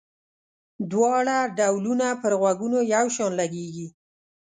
دواړه ډولونه پر غوږونو یو شان لګيږي.